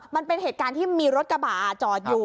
มันเป็นเหตุการณ์ที่มีรถกระบะจอดอยู่